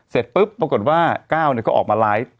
เสร็จปุ๊บปรากฏว่าก้าวก็ออกมาไลฟ์